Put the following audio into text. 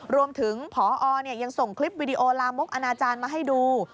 รวมถึงพอยังส่งคลิปวิดีโอลามกอนาจารย์มาให้ดู